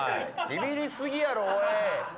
ビビり過ぎやろおい！